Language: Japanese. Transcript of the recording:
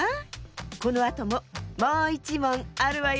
このあとももういちもんあるわよ。